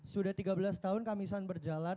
sudah tiga belas tahun kamisan berjalan